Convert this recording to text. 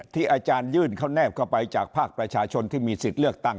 อาจารย์ยื่นเขาแนบเข้าไปจากภาคประชาชนที่มีสิทธิ์เลือกตั้ง